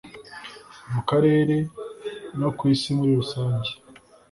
mu karere no ku Isi muri rusange